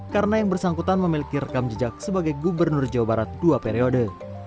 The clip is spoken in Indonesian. karena yang bersangkutan memiliki rekam jejak sebagai gubernur jawa barat dua periode